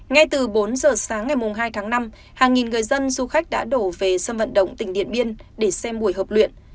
ngay từ bốn giờ sáng ngày hai tháng năm hàng nghìn người dân du khách đã đổ về sân vận động tỉnh điện biên để xem buổi hợp luyện